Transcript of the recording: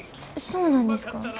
そうなんですか？